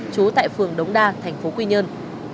chú tại phường đống đa tp quy nhơn